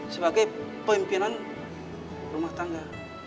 sebagai pemimpinan rumah tangga